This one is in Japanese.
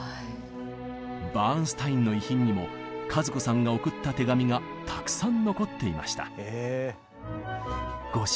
バーンスタインの遺品にも和子さんが送った手紙がたくさん残っていました。